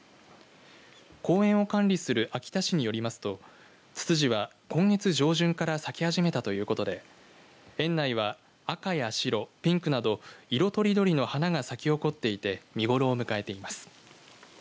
公園を管理する秋田市によりますとツツジは今月上旬から咲き始めたということで園内は赤や白、ピンクなど色とりどりの花が咲き誇っていて見頃を迎えています。